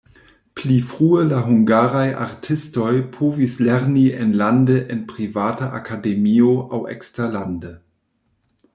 Pli frue la hungaraj artistoj povis lerni enlande en privata akademio aŭ eksterlande.